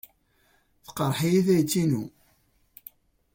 Teqreḥ-iyi tayet-inu.